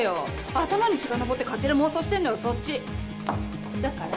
頭に血が上って勝手な妄想してんのはそっち。だから。